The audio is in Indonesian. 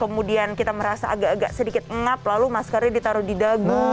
kemudian kita merasa agak agak sedikit ngap lalu maskernya ditaruh di dagu